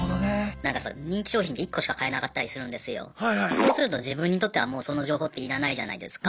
そうすると自分にとってはもうその情報って要らないじゃないですか。